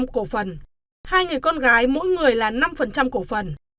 bốn chín cổ phần hai người con gái mỗi người là năm cổ phần